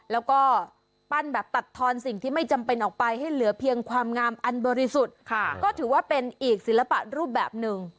แล้วก็ปั้นแบบตัดทอนสิ่งที่ไม่จำเป็นออกไปให้เหลือเพียงความงามอันบริสุทธิ์ก็ถือว่าเป็นอีกศิลปะรูปแบบหนึ่ง